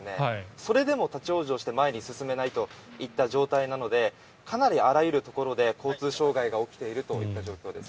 それでも立ち往生して前に進めないといった状態なのでかなりあらゆるところで交通障害が起きているといった状況です。